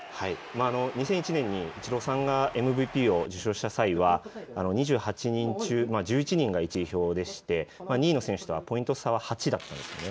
２００１年にイチローさんがＭＶＰを受賞した際は２８人中１１人が１位票でして２位の選手とはポイント差は８だったんです。